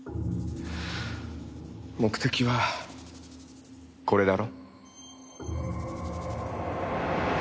目的はこれだろ？